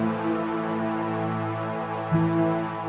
jangan lupa bang eri